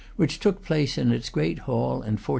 which took place in its great hall in 1491.